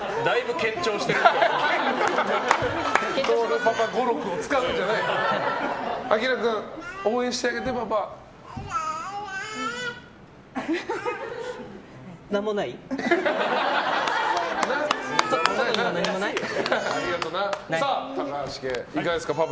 賢君、応援してあげてパパ。